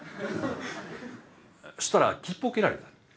そしたら切符を切られた。